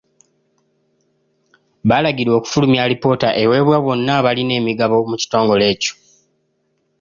Balagirwa okufulumya alipoota eweebwa bonna abalina emigabo mu kitongole ekyo.